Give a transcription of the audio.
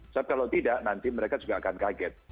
sebab kalau tidak nanti mereka juga akan kaget